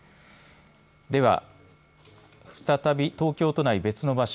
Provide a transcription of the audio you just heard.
では再び東京都内、別の場所。